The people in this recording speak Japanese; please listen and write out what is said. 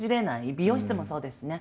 美容室もそうですね。